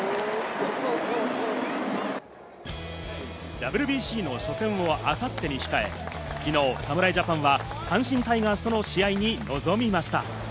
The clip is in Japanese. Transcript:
ＷＢＣの初戦をあさってに控え、昨日、侍ジャパンは阪神タイガースとの試合に臨みました。